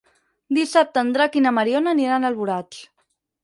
Dissabte en Drac i na Mariona aniran a Alboraig.